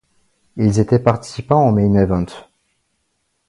Ils étaient participants au Main Event.